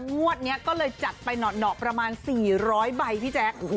แล้วงวดนี้ก็เลยจัดไปหนอประมาณสี่ร้อยใบพี่แจ๊ก